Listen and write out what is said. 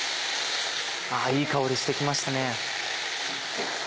いい香りして来ましたね。